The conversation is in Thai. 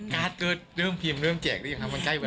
การ์ดเริ่มพิมพ์เริ่มแจกได้ยังไงค่ะ